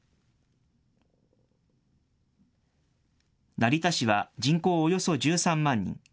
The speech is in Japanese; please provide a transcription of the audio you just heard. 成田市は人口およそ１３万人。